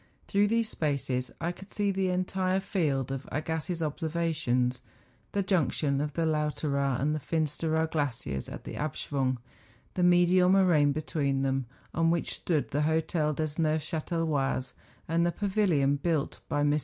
Tlirough these spaces I could see the entire field of Agassiz's obser¬ vations; the junction of the Lauteraar and Fins¬ teraar glaciers at the Abschwung, the medial moraine between them, on which stood the Hotel des Neuf chatelois, and the pavilion built by ]\r.